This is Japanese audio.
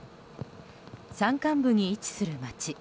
山間部に位置する町。